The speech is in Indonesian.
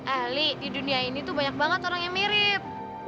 ahli di dunia ini tuh banyak banget orang yang mirip